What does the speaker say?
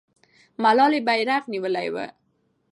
ملالۍ بیرغ نیولی وو.